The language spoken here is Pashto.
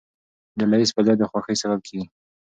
ډلهییز فعالیت د خوښۍ سبب کېږي.